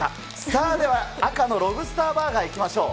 さあ、では赤のロブスターバーガー、いきましょう。